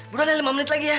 buruan ya lima menit lagi ya